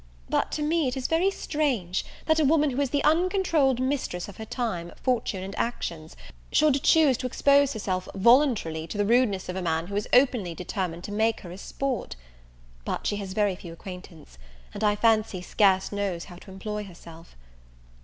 But to me, it is very strange, that a woman who is the uncontrolled mistress of her time, fortune, and actions, should choose to expose herself voluntarily to the rudeness of a man who is openly determined to make her his sport. But she has very few acquaintance; and, I fancy, scarce knows how to employ herself.